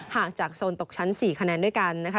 หากจากโซนตกชั้น๔คะแนนด้วยกันนะคะ